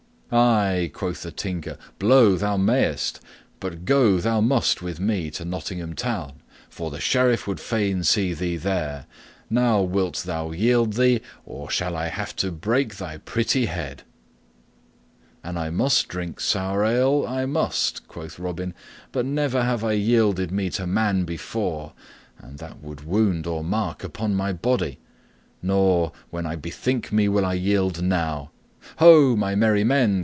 "Ay," quoth the Tinker, "blow thou mayest, but go thou must with me to Nottingham Town, for the Sheriff would fain see thee there. Now wilt thou yield thee, or shall I have to break thy pretty head?" "An I must drink sour ale, I must," quoth Robin, "but never have I yielded me to man before, and that without wound or mark upon my body. Nor, when I bethink me, will I yield now. Ho, my merry men!